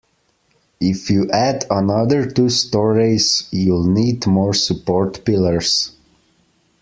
If you add another two storeys, you'll need more support pillars.